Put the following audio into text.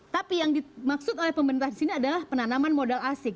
tapi yang dimaksud oleh pemerintah di sini adalah penanaman modal asing